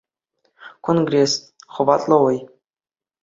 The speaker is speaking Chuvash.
Конгресс — хӑватлӑ вӑй.